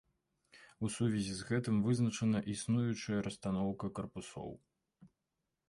У сувязі з гэтым вызначана існуючая расстаноўка карпусоў.